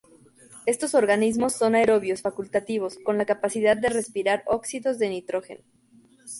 Estos organismos son aerobios facultativos con la capacidad de respirar óxidos de nitrógeno.